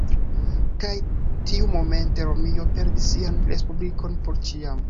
Kaj tiumomente Romio perdis sian Respublikon por ĉiam.